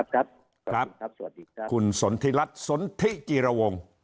ครับคุณสนธิรัตน์สนธิจิรวงศ์